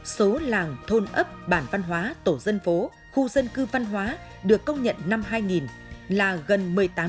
số làng thôn ấp bản văn hóa tổ dân phố khu dân cư văn hóa được công nhận năm hai nghìn là gần một mươi tám